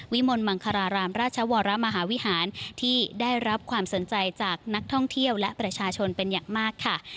มลมังคารารามราชวรมหาวิหารที่ได้รับความสนใจจากนักท่องเที่ยวและประชาชนเป็นอย่างมากค่ะ